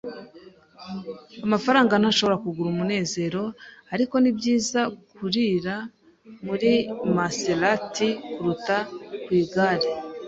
Amafaranga ntashobora kugura umunezero. Ariko, nibyiza kurira muri Maserati kuruta ku igare.